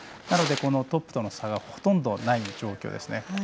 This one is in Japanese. なので、トップとの差がほとんどない状況ですね。